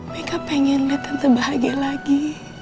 mereka pengen lihat tante bahagia lagi